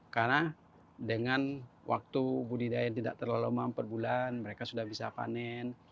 karena dengan waktu budidaya tidak terlalu lemah empat bulan mereka sudah bisa panen